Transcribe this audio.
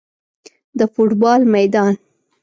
د فوټبال میدان